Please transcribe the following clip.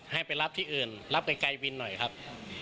ให้ไปรับที่อื่นรับไกลวินหน่อยครับ